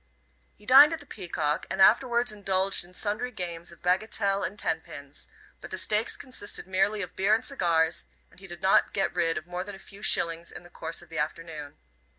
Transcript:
He dined at the Peacock and afterwards indulged in sundry games of bagatelle and ten pins; but the stakes consisted merely of beer and cigars, and he did not get rid of more than a few shillings in the course of the afternoon.